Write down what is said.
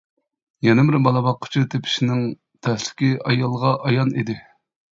يەنە بىر بالا باققۇچى تېپىشنىڭ تەسلىكى ئايالغا ئايان ئىدى.